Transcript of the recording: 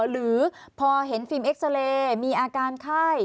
หรือพอเห็นฟิล์เอ็กซาเรย์มีอาการไข้